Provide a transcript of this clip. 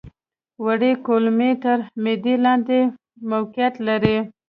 وړې کولمې تر معدې لاندې موقعیت لري.